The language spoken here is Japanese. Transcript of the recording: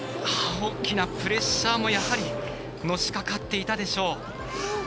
大きなプレッシャーもやはりのしかかっていたでしょう。